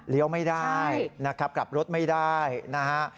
เลี้ยวไม่ได้ครับกลับรถไม่ได้นะครับ